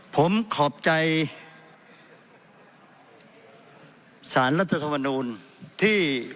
ผมขอบใจสารรัฐธรรมนูลที่